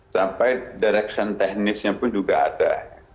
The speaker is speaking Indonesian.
sampai direction teknisnya pun juga ada